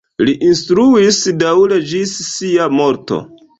Li instruis daŭre ĝis sia morto.